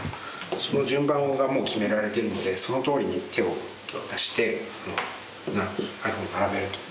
その順番がもう決められてるのでそのとおりに手を出して並べると。